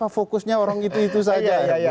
fokusnya orang itu itu saja